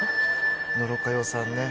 野呂佳代さんね